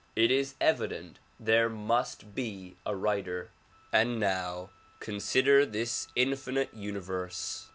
It is evident there must be a writer. And now consider this infinite universe.